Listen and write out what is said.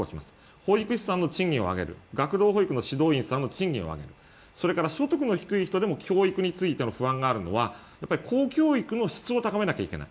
保育士さんの賃金を上げる学童保育の指導員さんの賃金を上げる、所得の低い人でも教育についての不安があるのは高等教育の質を高めなければいけない。